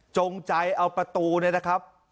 จงใจเอาประตูเนี่ยนะครับ